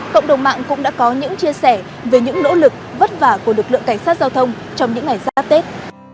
cộng đồng mạng cũng đã có những chia sẻ về những nỗ lực vất vả của lực lượng cảnh sát giao thông trong những ngày giáp tết